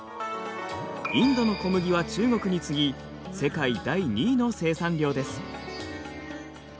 インドの小麦は中国に次ぎ世界第２位の生産量です。